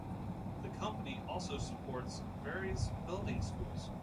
The Company also supports various building schools.